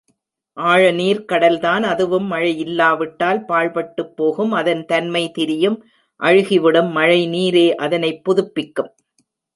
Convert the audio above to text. ஆழநீர்க் கடல்தான் அதுவும் மழை இல்லாவிட்டால் பாழ்பட்டுப் போகும் அதன் தன்மை திரியும் அழுகிவிடும் மழைநீரே அதனைப் புதுப்பிக்கும்.